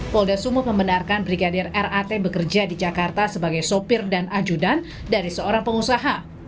polda sumut membenarkan brigadir rat bekerja di jakarta sebagai sopir dan ajudan dari seorang pengusaha